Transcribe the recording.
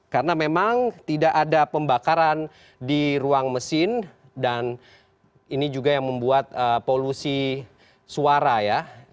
karena memang tidak ada pembakaran di ruang mesin dan ini juga yang membuat polusi suara ya